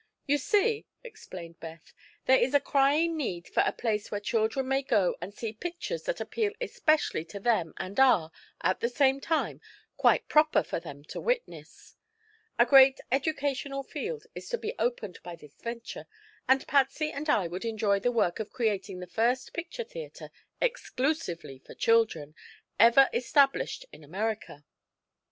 "You see," explained Beth, "there is a crying need for a place where children may go and see pictures that appeal especially to them and are, at the same time, quite proper for them to witness. A great educational field is to be opened by this venture, and Patsy and I would enjoy the work of creating the first picture theatre, exclusively for children, ever established in America."